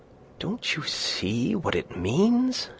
"Don't you see what it means?"